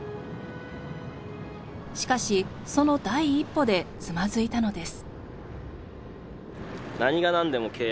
しかしその第一歩でつまずいたのです。